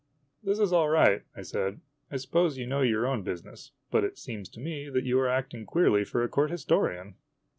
" This is all right," I said. " I suppose you know your own busi ness. But it seems to me that you are acting queerly for a Court Historian